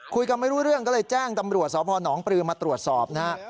คุยกันไม่รู้เรื่องก็เลยแจ้งตำรวจสพนปลือมาตรวจสอบนะฮะ